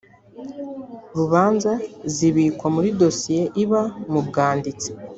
rubanza zibikwa muri dosiye iba mu bwanditsi